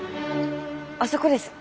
あそこです。